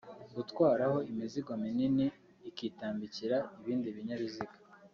gutwaraho imizigo minini ikitambikira ibindi binyabiziga